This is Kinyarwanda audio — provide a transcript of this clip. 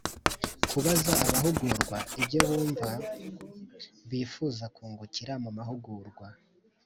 Kubaza abahugurwa ibyo bumva bifuza kungukira mu mahugurwa